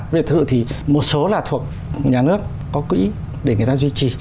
biệt thự thì một số là thuộc nhà nước có quỹ để người ta duy trì